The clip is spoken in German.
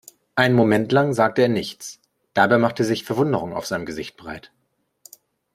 Einen Moment lang sagte er nichts, dabei machte sich Verwunderung auf seinem Gesicht breit.